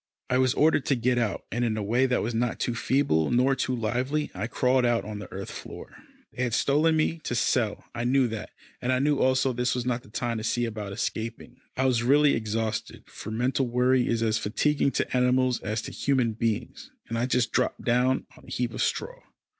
I was ordered to get out, and in a way that was not too feeble, nor too lively, I crawled out on the earth floor. They had stolen me to sell. I knew that, and I knew also this was not the time to see about escaping. I was really exhausted, for mental worry is as fatiguing to animals as to human beings, and I just dropped down on a heap of straw.